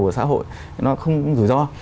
của xã hội nó không rủi ro